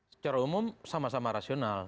secara umum sama sama rasional